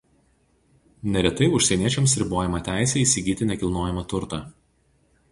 Neretai užsieniečiams ribojama teisė įsigyti nekilnojamą turtą.